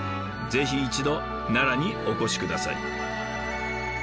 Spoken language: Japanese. ぜひ一度奈良にお越し下さい。